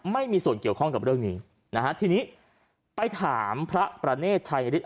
ไม่มีส่วนเกี่ยวข้องกับเรื่องนี้นะฮะทีนี้ไปถามพระประเนธชัยฤทธ